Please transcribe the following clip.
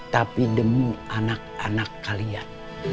tapi demi anak anak kalian